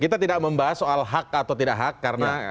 kita tidak membahas soal hak atau tidak hak karena